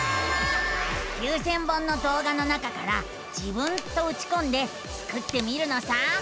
９，０００本のどう画の中から「自分」とうちこんでスクってみるのさ。